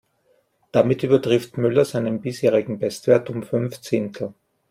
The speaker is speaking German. Damit übertrifft Müller seinen bisherigen Bestwert um fünf Zehntel.